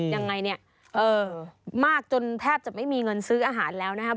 ยังไงเนี่ยมากจนแทบจะไม่มีเงินซื้ออาหารแล้วนะครับ